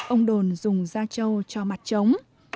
ông đồn dùng da trâu cho mặt trống